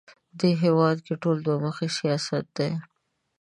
دې هېواد کې ټول دوه مخی سیاست دی